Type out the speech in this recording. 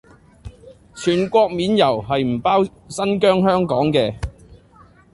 全國免郵係唔包新疆香港嘅